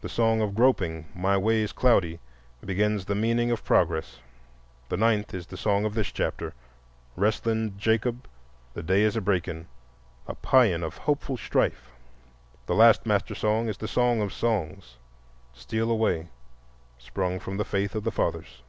The song of groping—"My way's cloudy"—begins "The Meaning of Progress"; the ninth is the song of this chapter—"Wrestlin' Jacob, the day is a breaking,"—a paean of hopeful strife. The last master song is the song of songs—"Steal away,"—sprung from "The Faith of the Fathers."